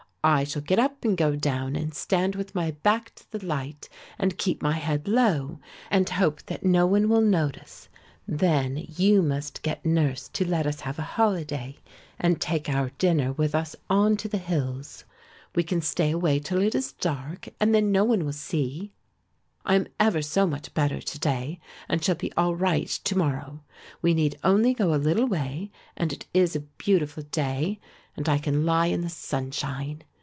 I shall get up and go down and stand with my back to the light and keep my head low, and hope that no one will notice; then you must get nurse to let us have a holiday and take our dinner with us on to the hills. We can stay away till it is dark and then no one will see. I am ever so much better to day and shall be all right to morrow. We need only go a little way and it is a beautiful day, and I can lie in the sunshine.